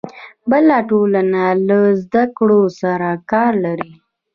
بله ټولنه له زده کړو سره کار لري.